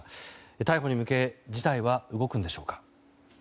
逮捕に向け事態は動くんでしょうか。